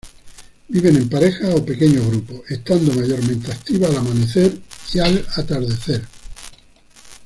Viven en parejas o pequeños grupos, estando mayormente activas al amanecer y al atardecer.